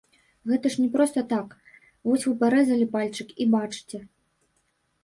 Гэта ж не проста так, вось вы парэзалі пальчык і бачыце.